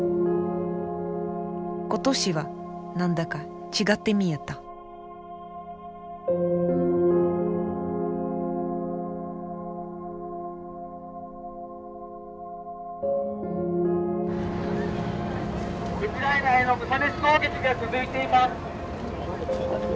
今年は何だか違って見えた「ウクライナへの無差別攻撃が続いています」。